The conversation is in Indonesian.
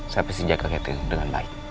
saya pasti jaga catering dengan baik